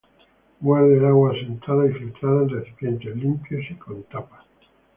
Guarde el agua asentada y filtrada en recipientes limpios y con tapa.